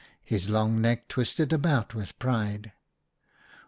His long neck twisted about with pride.